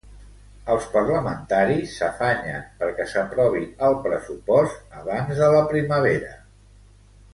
Els parlamentaris s'afanyen perquè s'aprovi el pressupost abans de la primavera.